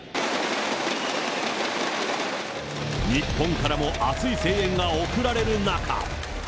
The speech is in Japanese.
日本からも熱い声援が送られる中。